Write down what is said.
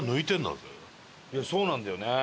いやそうなんだよね。